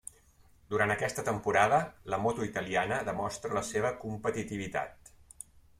Durant aquesta temporada la moto italiana demostra la seva competitivitat.